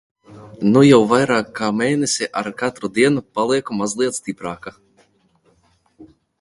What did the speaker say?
Nu jau vairāk kā mēnesi ar katru dienu palieku mazliet stiprāka.